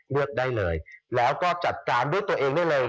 เลือกได้เลยแล้วก็จัดการด้วยตัวเองได้เลย